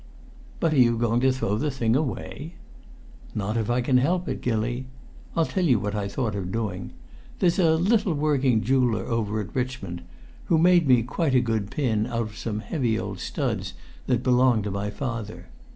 "But are you going to throw the thing away?" "Not if I can help it, Gilly. I'll tell you what I thought of doing. There's a little working jeweller, over at Richmond, who made me quite a good pin out of some heavy old studs that belonged to my father.